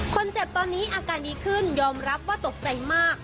คนเจ็บตอนนี้อาการดีขึ้นยอมรับว่าตกใจมาก